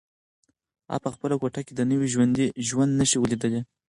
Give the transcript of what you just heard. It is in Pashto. هغه په خپله کوټه کې د نوي ژوند نښې ولیدلې.